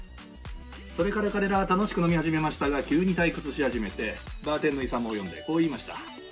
それから彼らは楽しく飲み始めましたが急に退屈し始めてバーテンのイサムを呼んでこう言いました。